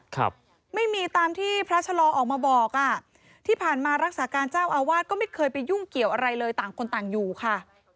ครับไม่มีตามที่พระชะลอออกมาบอกอ่ะที่ผ่านมารักษาการเจ้าอาวาสก็ไม่เคยไปยุ่งเกี่ยวอะไรเลยต่างคนต่างอยู่ค่ะ